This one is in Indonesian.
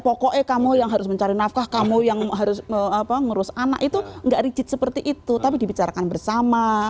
karena itu kamu yang harus mencari nafkah kamu yang harus mengurus anak itu tidak rigid seperti itu tapi dibicarakan bersama